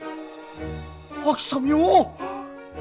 あきさみよ。